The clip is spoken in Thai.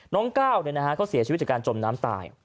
น้องก้าวเขาเสียชีวิตจากการจมน้ำตาย